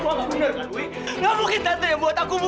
kamu jangan diam aja ayo jawab